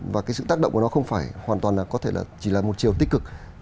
và cái sự tác động của nó không phải hoàn toàn là có thể chỉ là một chiều tích